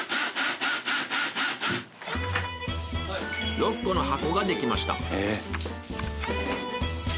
６個の箱ができました。